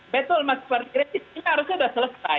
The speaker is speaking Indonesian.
betul mas sepertinya harusnya sudah selesai